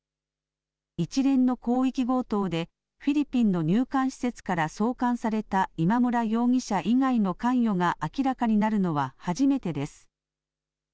一連の広域強盗で、フィリピンの入管施設から送還された今村容疑者以外の関与が明らかになるのは初めてです。